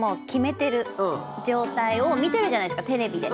見てるじゃないですかテレビで。